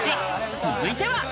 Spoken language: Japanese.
続いては。